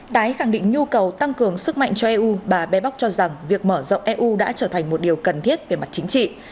đái khẳng định nhu cầu tăng cường sức mạnh cho eu bà bebock cho rằng việc mở rộng eu đã trở thành một điều cần thiết về mặt chính trị